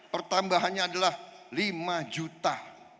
pertambahannya adalah lima juta